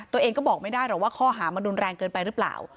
ตัวเองก็บอกไม่ได้หรอกว่าข้อหามันรุนแรงเกินไปหรือเปล่า